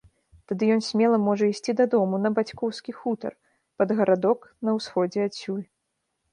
Тады ён смела можа ісці дадому, на бацькоўскі хутар, пад гарадок на ўсходзе адсюль.